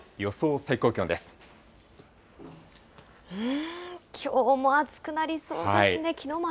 うーん、きょうも暑くなりそうですね。